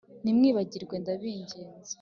Ntimwibagirwe ndabinginze.